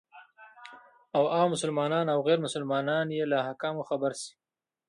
او عام مسلمانان او غير مسلمانان يې له احکامو خبر سي،